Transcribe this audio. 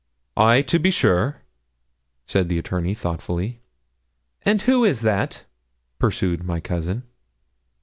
'Ay to be sure,' said the attorney, thoughtfully. 'And who is that?' pursued my cousin.